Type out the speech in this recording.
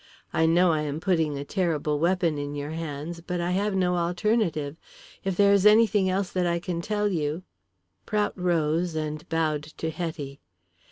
"I know I am putting a terrible weapon in your hands but I have no alternative. If there is anything else that I can tell you " Prout rose and bowed to Hetty.